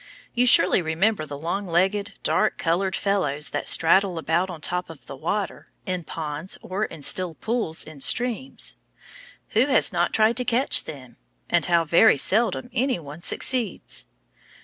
You surely remember the longlegged, dark colored fellows that straddle about on top of the water, in ponds or in still pools in streams? Who has not tried to catch them! And how very seldom any one succeeds!